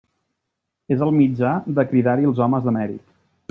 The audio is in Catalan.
És el mitjà de cridar-hi els homes de mèrit.